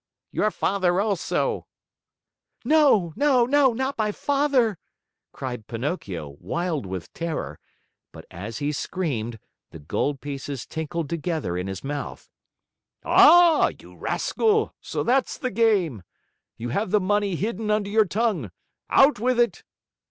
"Your father also!" "No, no, no, not my Father!" cried Pinocchio, wild with terror; but as he screamed, the gold pieces tinkled together in his mouth. "Ah, you rascal! So that's the game! You have the money hidden under your tongue. Out with it!"